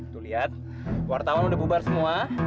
tuh lihat wartawan udah bubar semua